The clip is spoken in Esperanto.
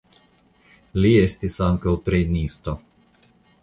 Li estis ankaŭ trejnisto.